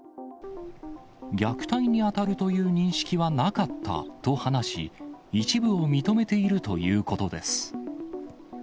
虐待に当たるという認識はなかったと話し、一部を認めているということです。